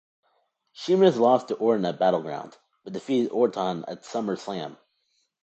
Sheamus lost to Orton at Battleground, but defeated Orton at SummerSlam.